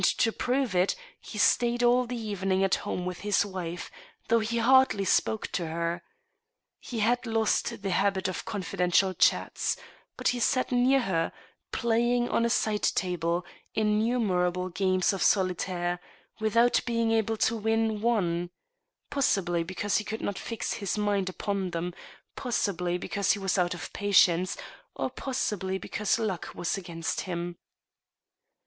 to prove it, he stayed all the evening at home with his wife, though he hardly spoke to her. He had lost the habit of confidential chats, but he sat near her, playing on a side table innumerable games of solitaire, without being able to win one — ^possibly because he could not fix his mind upon them, possibly because he was out of practice, or possi bly because luck was against him.